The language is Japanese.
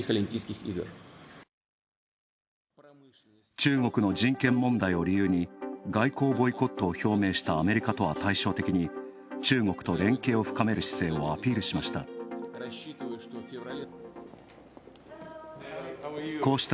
中国の人権問題を理由に外国ボイコットを表明したアメリカとは対照的に中国と連携を深める姿勢をアピールしました。